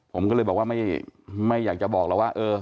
ผมก็เลยบอกว่าไม่อยากจะบอกแล้วว่า